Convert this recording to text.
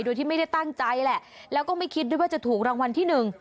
โดยที่ไม่ได้ตั้งใจแหละแล้วก็ไม่คิดด้วยว่าจะถูกรางวัลที่หนึ่ง